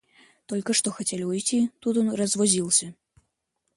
Только что хотели уйти, тут он развозился.